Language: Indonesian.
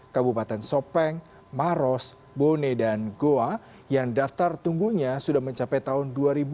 kabupaten sopeng maros bone dan goa yang daftar tunggunya sudah mencapai tahun dua ribu dua puluh